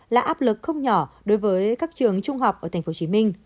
là áp lực không nhỏ đối với các trường trung học ở tp hcm